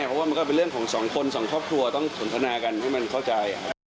เพราะว่ามันก็เป็นเรื่องของสองคนสองครอบครัวต้องสนทนากันให้มันเข้าใจ